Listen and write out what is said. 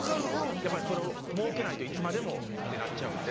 やっぱりそれを設けないといつまでもってなっちゃうんで。